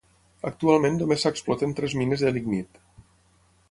Actualment només s'exploten tres mines de lignit.